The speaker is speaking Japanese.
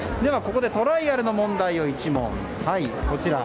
では、トライアルな問題を１問。